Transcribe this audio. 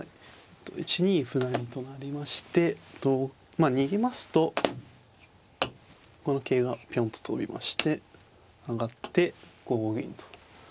１二歩成と成りまして逃げますとこの桂がピョンと跳びまして上がって５五銀と。